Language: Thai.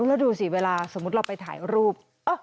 แล้วดูสิเวลาสมมุติเราไปถ่ายรูป